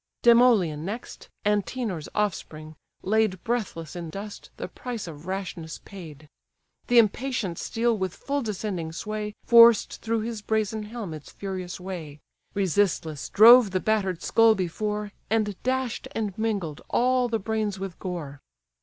Demoleon next, Antenor's offspring, laid Breathless in dust, the price of rashness paid. The impatient steel with full descending sway Forced through his brazen helm its furious way, Resistless drove the batter'd skull before, And dash'd and mingled all the brains with gore.